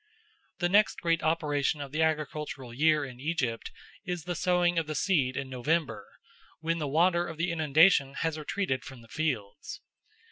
The next great operation of the agricultural year in Egypt is the sowing of the seed in November, when the water of the inundation has retreated from the fields.